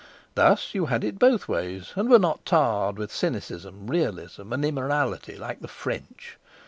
Thus you had it both ways, and were not tarred with cynicism, realism, and immorality like the French.